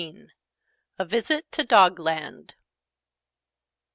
A VISIT TO DOGLAND.